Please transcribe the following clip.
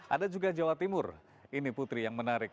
ada juga jawa timur ini putri yang menarik